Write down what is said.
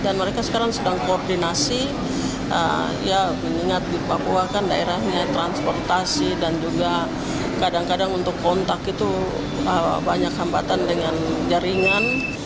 dan mereka sekarang sedang koordinasi ya mengingat di papua kan daerahnya transportasi dan juga kadang kadang untuk kontak itu banyak hambatan dengan jaringan